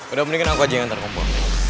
udah mendingan aku aja yang antar kompo